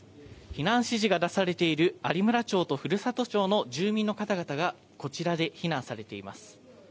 避難指示が出されている有村町と古里町の住民の方々がこちらで避難されています。